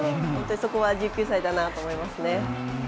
そこは１９歳だなと思います。